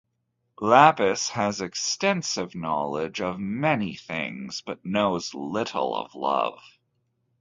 Lapis has extensive knowledge of many things but knows little of love.